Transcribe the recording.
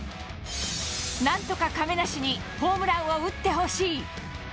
なんとか亀梨にホームランを打ってほしい。